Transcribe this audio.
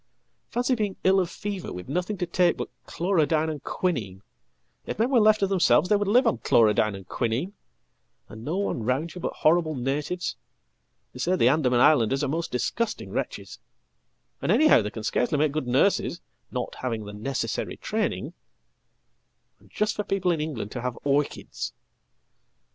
Fancy being ill offever with nothing to take but chlorodyne and quinine if men were left tothemselves they would live on chlorodyne and quinine and no one round youbut horrible natives! They say the Andaman islanders are most disgustingwretches and, anyhow, they can scarcely make good nurses, not having thenecessary training. And just for people in England to have orchids!""